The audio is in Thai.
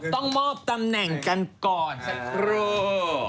ต้องมอบตำแหน่งกันก่อนสักครู่